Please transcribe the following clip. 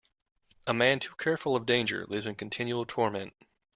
A man too careful of danger lives in continual torment.